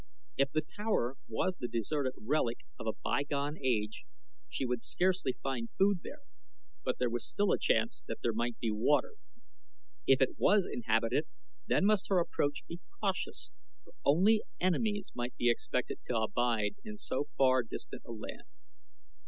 If the tower was the deserted relic of a bygone age she would scarcely find food there, but there was still a chance that there might be water. If it was inhabited, then must her approach be cautious, for only enemies might be expected to abide in so far distant a land.